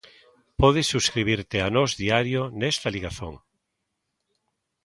Podes subscribirte a Nós Diario nesta ligazón.